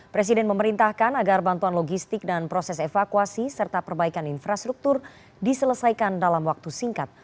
presiden memerintahkan agar bantuan logistik dan proses evakuasi serta perbaikan infrastruktur diselesaikan dalam waktu singkat